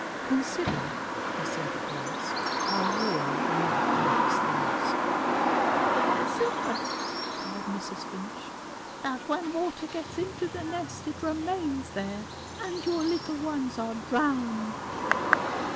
"Consider," he said at last, "how warm the mud makes the nest." "Consider," cried Mrs. Finch, "that when water gets into the nest it remains there and your little ones are drowned."